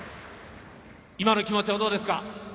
今の気持ちはどうですか？